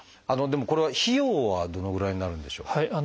でもこれは費用はどのぐらいになるんでしょう？